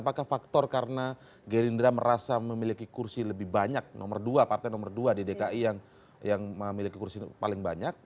apakah faktor karena gerindra merasa memiliki kursi lebih banyak nomor dua partai nomor dua di dki yang memiliki kursi paling banyak